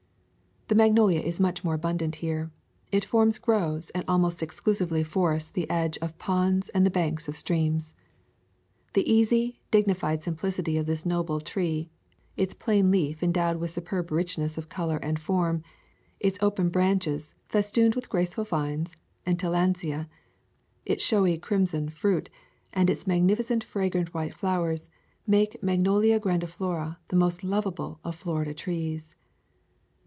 The magnolia is much more abundant here. It forms groves and almost exclusively forests the edges of ponds and the banks of streams. The easy, dignified simplicity of this noble tree, its plain leaf endowed with superb richness of color and form, its open branches festooned with graceful vines and tillandsia, its showy crim son fruit, and its magnificent fragrant white flowers make Magnolia grandiflora the most lovable of Florida trees.